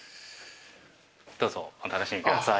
どうぞお楽しみください。